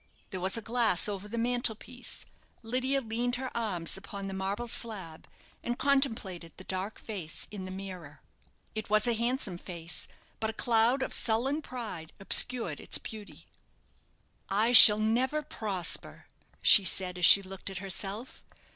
There was a glass over the mantel piece. Lydia leaned her arms upon the marble slab, and contemplated the dark face in the mirror. It was a handsome face: but a cloud of sullen pride obscured its beauty. "I shall never prosper," she said, as she looked at herself.